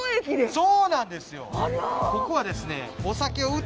そうなんです